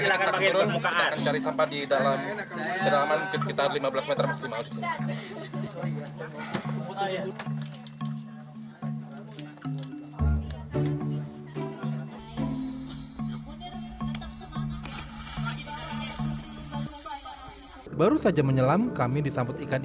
di permukaan silakan pakai permukaan